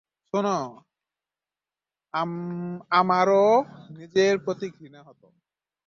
শোনো, আমারো নিজের প্রতি ঘৃণা হতো।